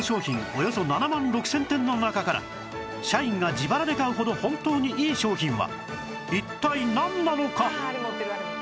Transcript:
およそ７万６０００点の中から社員が自腹で買うほど本当にいい商品は一体なんなのか？